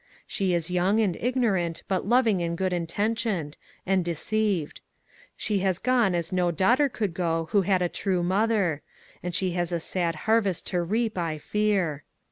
She is young and ignorant, but loving and good intentioned, and de ceived. She has gone as no daughter could go, who had a true mother; and she has a sad harvest to reap, I fear.